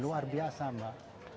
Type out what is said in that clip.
luar biasa mbak